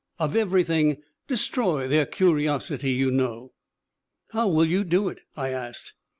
Of everything destroy their curios ity, you know/ " 'How will you do it?' I asked.